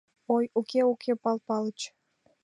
— Ой, уке, уке, Пал Палыч!